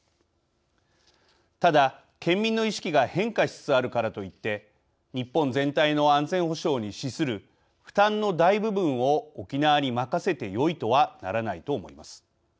ただ、県民の意識が変化しつつあるからといって日本全体の安全保障に資する負担の大部分を沖縄に任せてよいとはならないと思います。